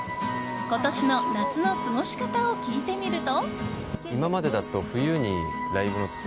今年の夏の過ごし方を聞いてみると。